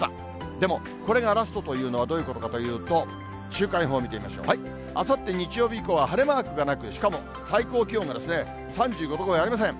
でも、これがラストというのはどういうことかというと、週間予報を見てみましょう。あさって日曜日以降は晴れマークがなく、しかも最高気温が３５度超えありません。